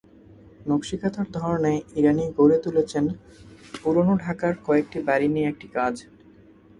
নকশিকাঁথার ধরনে ইরানী গড়ে তুলেছেন পুরোনো ঢাকার কয়েকটি বাড়ি নিয়ে একটি কাজ।